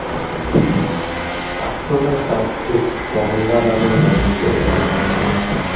আশ্রমের কাছ দিয়ে 'গঙ্গা' নামের নদী বয়ে গেছে।